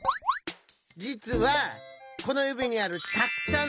じつはこのゆびにあるたっくさん